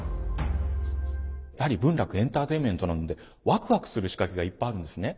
やはり文楽エンターテインメントなのでワクワクする仕掛けがいっぱいあるんですね。